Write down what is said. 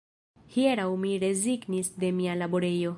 Hieraŭ mi rezignis de mia laborejo